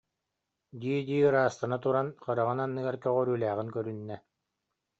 дии-дии ыраастана туран, хараҕын анныгар көҕөрүүлээҕин көрүннэ